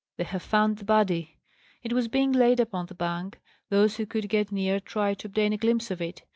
"They have found the body!" It was being laid upon the bank. Those who could get near tried to obtain a glimpse of it.